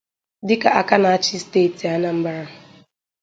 dịka aka na-achị steeti Anambra